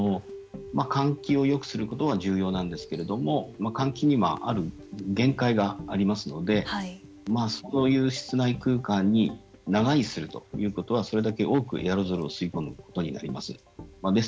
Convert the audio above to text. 換気をよくすることは重要なんですけれども換気にある限界がありますのでそういう室内空間に長居するということはそれだけ多くエアロゾルを吸い込むことになります。